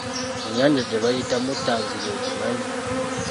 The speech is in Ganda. Ennyanja gye bayita Muttanzige ogimanyi?